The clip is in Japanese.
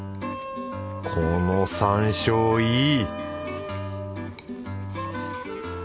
この山椒いい！